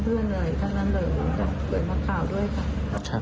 เผื่อมักข่าวด้วยค่ะ